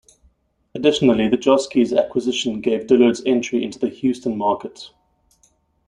Additionally the Joske's acquisition gave Dillard's entry into the Houston market.